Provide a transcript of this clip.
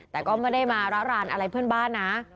แต่ก็ไม่ได้มาระรานอะไรเพื่อนบ้านนะ